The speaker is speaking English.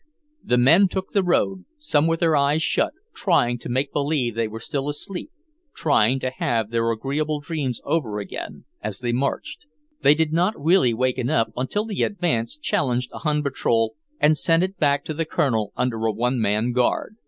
The men took the road, some with their eyes shut, trying to make believe they were still asleep, trying to have their agreeable dreams over again, as they marched. They did not really waken up until the advance challenged a Hun patrol, and sent it back to the Colonel under a one man guard.